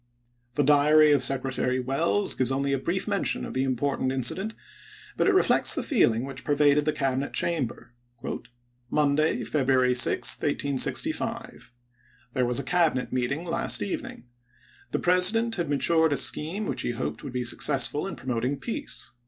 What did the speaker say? The diary of Secretary Welles gives only a brief mention of the important incident, but it reflects the feeling which pervaded the Cabinet chamber : 136 ABKAHAM LINCOLN <3hap.vil Monday, February 6, 1865. There was a Cabinet meeting last evening. The Presi dent had matured a scheme which he hoped would be successful in promoting peace.